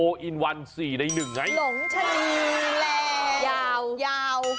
หลงชะนีแลยาวยาว